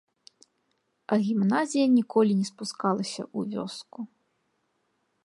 А гімназія ніколі не спускалася ў вёску.